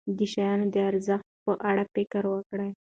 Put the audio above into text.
د شیانو د ارزښت په اړه فکر وکړئ.